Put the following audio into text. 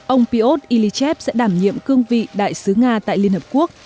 ông fyodor ilyichev sẽ đảm nhiệm cương vị đại sứ nga tại liên hợp quốc